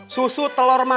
susu telur makanan